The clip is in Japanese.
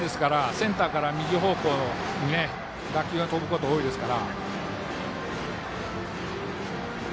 センターから右方向に打球が飛ぶことが多いですから。